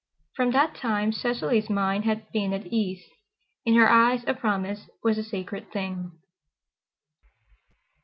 From that time Cecily's mind had been at ease. In her eyes a promise was a sacred thing.